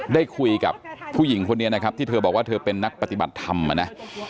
ได้คุยกับผู้หญิงคนนี้นะครับที่เธอบอกว่าเธอเป็นนักปฏิบัติธรรมนะ